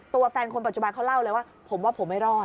ตัวแฟนคนปัจจุบันเขาเล่าเลยว่าผมว่าผมไม่รอด